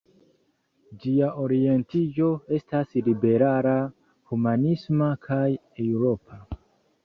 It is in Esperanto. Ĝia orientiĝo estas liberala, humanisma kaj eŭropa.